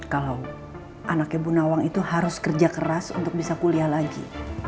kalau anaknya bu nawang itu harus kerja keras untuk bisa kuliah lagi